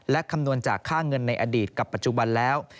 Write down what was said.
และคำนวณจากค่าเงินในอดีตกับปัจจุบันแล้ว